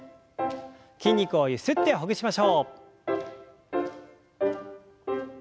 筋肉をゆすってほぐしましょう。